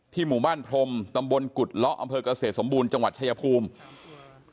หมู่บ้านพรมตำบลกุฎเลาะอำเภอกเกษตรสมบูรณ์จังหวัดชายภูมิ